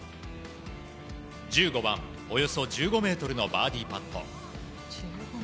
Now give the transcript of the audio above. １５番、およそ１５ｍのバーディーパット。